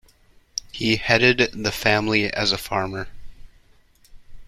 He headed the family as a farmer.